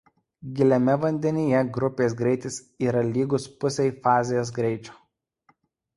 Giliame vandenyje grupės greitis yra lygus pusei fazės greičio.